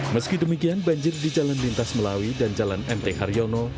meski demikian banjir di jalan lintas melawi dan jalan mt haryono